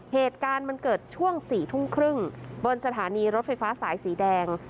เหตุการณ์มันเกิดช่วง๔ทุ่มครึ่งบนสถานีรถไฟฟ้าสายสีแดง